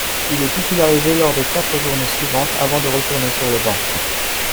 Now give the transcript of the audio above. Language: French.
Il est titularisé lors des quatre journées suivantes avant de retourner sur le banc.